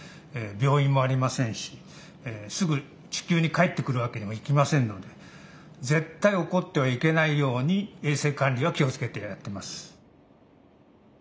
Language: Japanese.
病院もありませんしすぐ地球に帰ってくるわけにもいきませんので絶対おこってはいけないように衛生管理は気を付けてやってます。